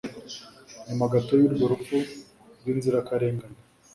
Nyuma gato y'urwo rupfu rw'inzirakarengane,